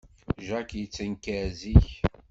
Jack yettenkar zik.